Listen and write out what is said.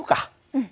うん。